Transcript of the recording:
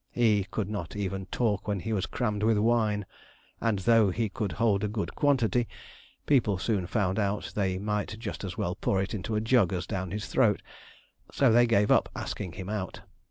He could not even talk when he was crammed with wine, and though he could hold a good quantity, people soon found out they might just as well pour it into a jug as down his throat, so they gave up asking him out.